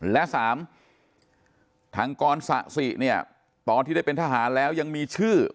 และ๓ทางกรสะสิเนี่ยตอนที่ได้เป็นทหารแล้วยังมีชื่อ